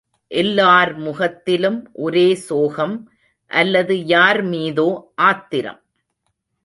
எல்லார் முகத்திலும் ஒரே சோகம் அல்லது யார் மீதோ ஆத்திரம்.